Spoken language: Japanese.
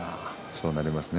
そうなりますね。